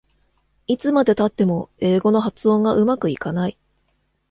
いつまでたっても英語の発音がうまくいかない